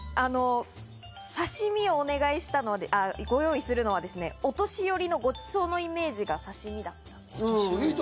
さしみをご用意するのは、お年寄りのごちそうのイメージがさしみだと。